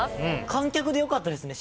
観客でよかったですね。